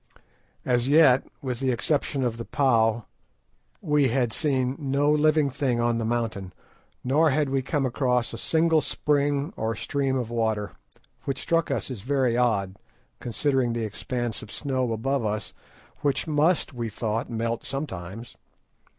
As yet, with the exception of the pauw, we had seen no living thing on the mountain, nor had we come across a single spring or stream of water, which struck us as very odd, considering the expanse of snow above us, which must, we thought, melt sometimes.